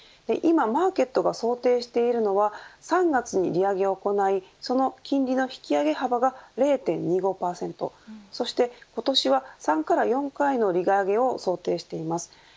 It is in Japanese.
今マーケットが想定しているのは３月に利上げを行いその金利の引き上げ幅が０．２５％そして今年は３回から４回の利上げを想定しています。